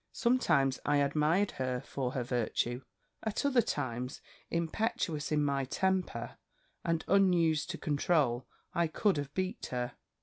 Sometimes I admired her for her virtue; at other times, impetuous in my temper, and unused to control, I could have beat her.